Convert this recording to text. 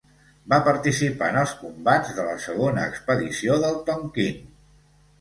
Va participar en els combats de la segona expedició del Tonquín.